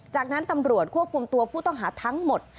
จากนั้นตำรวจควบคุมตัวผู้ต้องหาทั้งหมด